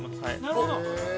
◆なるほど。